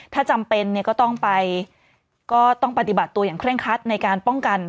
ถ้าจำเป็นเนี่ยก็ต้องไปก็ต้องปฏิบัติตัวอย่างเร่งคัดในการป้องกัน